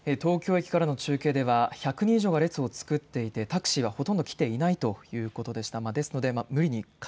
東京駅からの中継では１００人以上の人が列を作っていてタクシーがほとんど来ていないという状況でした。